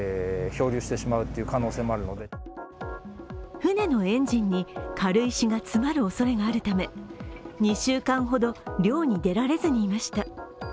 船のエンジンに軽石が詰まるおそれがあるため２週間ほど漁に出られずにいました。